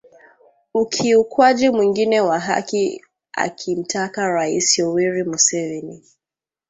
ukiukwaji mwingine wa haki akimtaka Rais Yoweri Museveni